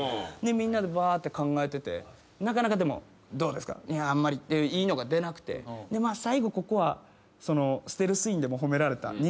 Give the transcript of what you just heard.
みんなでバーッて考えててなかなかでも「どうですか？」「いやあんまり」いいのが出なくて最後ここはステルス韻でも褒められた。